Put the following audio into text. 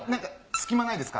隙間ないですか？